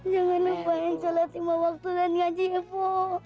jangan lupa yang coba timah waktu dan ngaji epo